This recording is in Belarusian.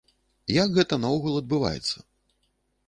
Як гэта наогул адбываецца?